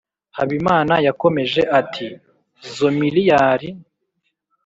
Habimana yakomeje ati zo miliyar